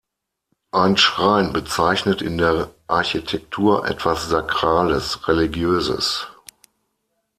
Ein Schrein bezeichnet in der Architektur etwas Sakrales, Religiöses.